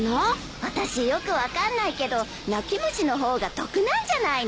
あたしよく分かんないけど泣き虫の方が得なんじゃないの？